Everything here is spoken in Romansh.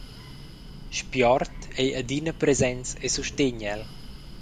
Spiord ei adina presents e sustegn el.